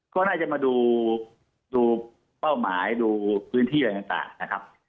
ก็น่าจะมาดูเป้าหมายดูพื้นที่อะไรต่างนะครับ